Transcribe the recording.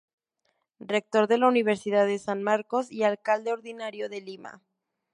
Rector de la Universidad de San Marcos y alcalde ordinario de Lima.